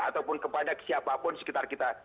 ataupun kepada siapapun sekitar kita